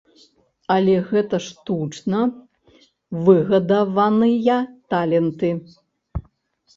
Але гэта штучна выгадаваныя таленты.